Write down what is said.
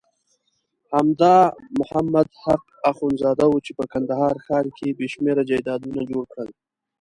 همدا محمد حق اخندزاده وو چې په کندهار ښار کې بېشمېره جایدادونه جوړ کړل.